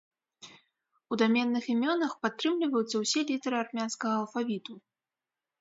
У даменных імёнах падтрымліваюцца ўсе літары армянскага алфавіту.